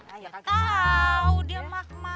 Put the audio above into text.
tau dia mah kemana